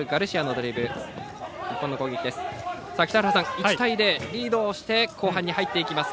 １対０、リードをして後半に入っていきます。